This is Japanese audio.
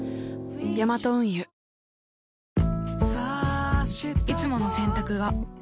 ヤマト運輸いつもの洗濯が